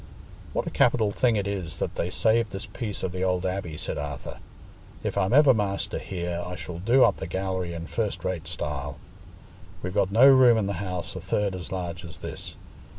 "What a capital thing it is that they saved this piece of the old abbey!" said Arthur. "If I'm ever master here, I shall do up the gallery in first rate style. We've got no room in the house a third as large as this.